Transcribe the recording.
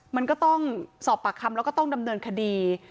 มันก็ต้องสอบปากคำแล้วก็ต้องดำเนินคดี